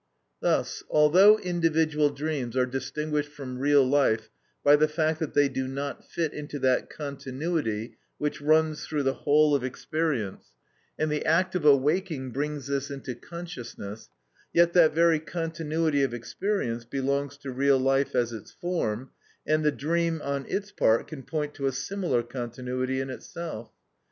Thus although individual dreams are distinguished from real life by the fact that they do not fit into that continuity which runs through the whole of experience, and the act of awaking brings this into consciousness, yet that very continuity of experience belongs to real life as its form, and the dream on its part can point to a similar continuity in itself.